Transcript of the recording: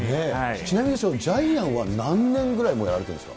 ちなみにジャイアンは何年ぐらい、もうやられてるんですか？